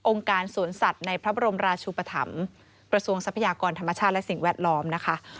องค์การสวนสัตว์ในพระบรมราชุปฐำประสวงศพยากรธรรมชาติและสิ่งแวดล้อมนะคะ